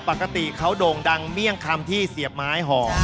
ปกติเขาโด่งดังเมี่ยงคำที่เสียบไม้ห่อ